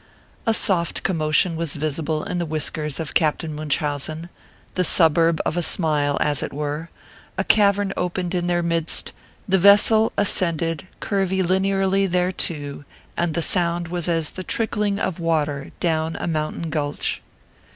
A soft commotion was visible in the whiskers of Captain Munchausen the suburb of a smile as it were ; a cavern opened in their midst, the vessel ascended curvilinearly thereto, and the sound was as the trickling of water down a mountain gulch.